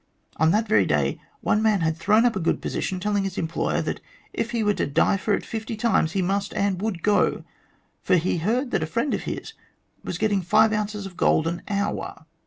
On that very day one man had thrown up a good position, telling his employer that if he were to die for it fifty times, he must and would go, for he had heard that a friend of his was getting five ounces of gold an hour.